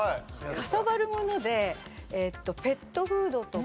かさばるものでペットフードとか。